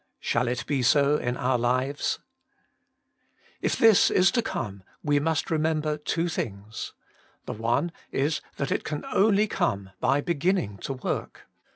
Shall it be so in our lives ? If this is to come, we must remember two things. The one is that it can only come by beginning to work.